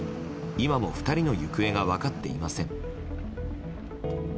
今も２人の行方が分かっていません。